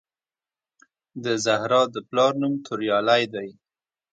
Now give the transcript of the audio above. د زهرا د پلار نوم توریالی دی